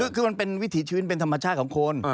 คือมันเป็นวิถีชีวิตเป็นธรรมชาติของคน